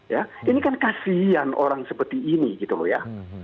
ya ini kan kasian orang seperti ini gitu loh ya